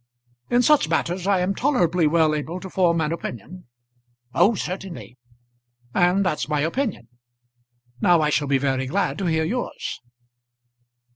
"In such matters, I am tolerably well able to form an opinion." "Oh, certainly!" "And that's my opinion. Now I shall be very glad to hear yours."